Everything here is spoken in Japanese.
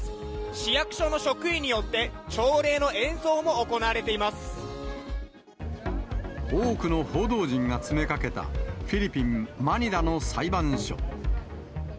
市役所の職員によって、多くの報道陣が詰めかけた、フィリピン・マニラの裁判所。